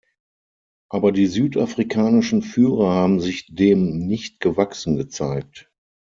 Aber die südafrikanischen Führer haben sich dem nicht gewachsen gezeigt.